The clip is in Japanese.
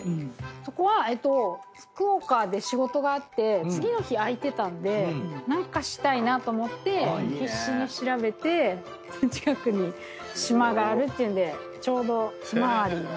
そこは福岡で仕事があって次の日空いてたんで何かしたいなと思って必死に調べて近くに島があるっていうんでちょうどヒマワリの。